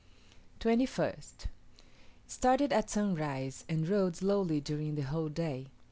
21st. Started at sunrise, and rode slowly during the whole day.